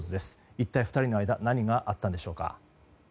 一体２人の間に何があったのでしょうか。